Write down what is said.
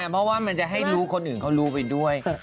เพราะว่ามันจะให้รู้คนอื่นเขารู้ไปด้วย